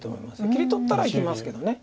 切り取ったら生きますけど。